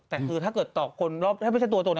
แต่คือถ้าเกิดตอบคนรอบถ้าไม่ใช่ตัวตน